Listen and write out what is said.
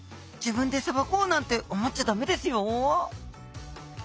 自分でさばこうなんて思っちゃダメですよ！